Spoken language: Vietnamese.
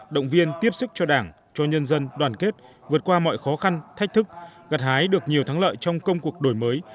động viên tiếp sức cho đảng cho nhân dân đoàn kết vượt qua mọi khó khăn thách thức gặt hái được nhiều thắng lợi trong công cuộc đổi mới